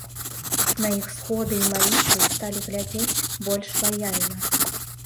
На іх сходы і малітвы сталі глядзець больш лаяльна.